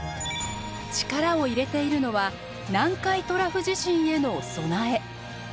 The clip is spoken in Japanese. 力を入れているのは南海トラフ地震への備え。